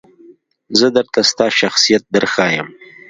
زه درته ستا شخصیت درښایم .